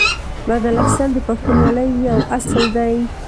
بدل اخیستل د پښتونولۍ یو اصل دی.